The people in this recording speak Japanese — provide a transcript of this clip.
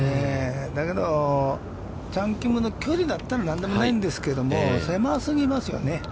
だけど、チャン・キムの距離だったら何でもないんですけれども、狭過ぎますよね。